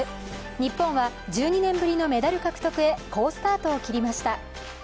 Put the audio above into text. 日本は１２年ぶりのメダル獲得へ好スタートを切りました。